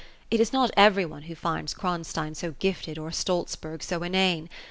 It is not every one who finds Kronstein so gifted, or Stolsberg so inane.